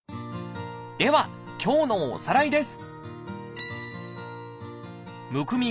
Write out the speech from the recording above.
では今日のおさらいです